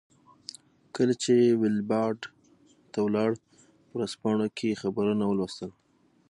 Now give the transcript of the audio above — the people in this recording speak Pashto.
کله چې ویلباډ ته ولاړ په ورځپاڼو کې یې خبرونه ولوستل.